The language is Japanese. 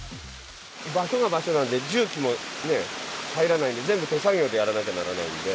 場所が場所なんで、重機もね、入らないんで、全部、手作業でやらなきゃならないんで。